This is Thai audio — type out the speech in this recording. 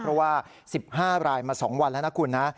เพราะว่า๑๕รายมา๒วันแล้วนะคุณนะ